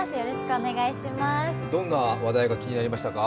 どんな話題が気になりましたか？